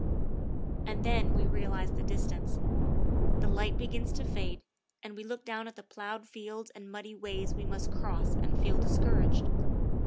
And then we realize the distance. The light begins to fade, and we look down at the ploughed fields and muddy ways we must cross and feel discouraged.